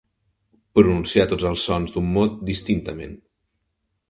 Pronunciar tots els sons d'un mot distintament.